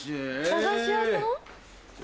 駄菓子屋さん？